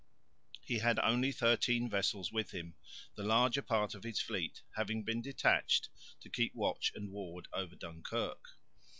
He had only thirteen vessels with him, the larger part of his fleet having been detached to keep watch and ward over Dunkirk.